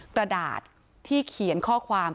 กระดาษที่เขียนข้อความ